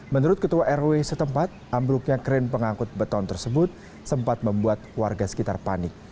menurut ketua rw setempat ambruknya kren pengangkut beton tersebut sempat membuat warga sekitar panik